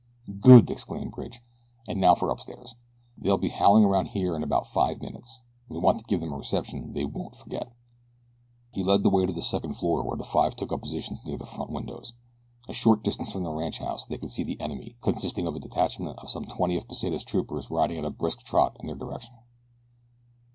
"Good!" exclaimed Bridge, "and now for upstairs. They'll be howling around here in about five minutes, and we want to give them a reception they won't forget." He led the way to the second floor, where the five took up positions near the front windows. A short distance from the ranchhouse they could see the enemy, consisting of a detachment of some twenty of Pesita's troopers riding at a brisk trot in their direction.